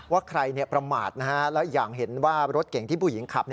ว่าใครประมาทแล้วอย่างเห็นว่ารถเก่งที่ผู้หญิงขับ